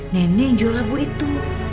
nenek yang jual labu itu